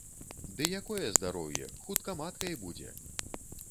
Ды якое здароўе, хутка маткай будзе!